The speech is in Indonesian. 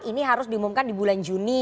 ini harus diumumkan di bulan juni